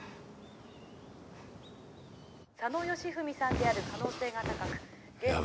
佐野義文さんである可能性が高く。